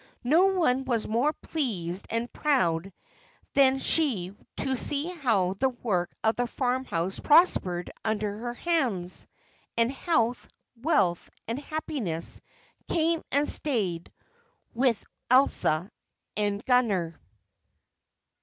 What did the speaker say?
No one was more pleased and proud than she to see how the work of the farmhouse prospered under her hands. And health, wealth, and happiness came and stayed with Elsa and Gunner.